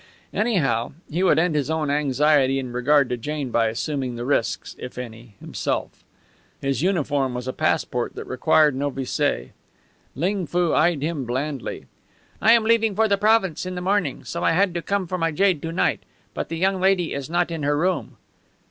Anyhow, he would end his own anxiety in regard to Jane by assuming the risks, if any, himself. No one questioned him; his uniform was a passport that required no visé. Ling Foo eyed him blandly. "I am leaving for the province in the morning, so I had to come for my jade to night. But the young lady is not in her room."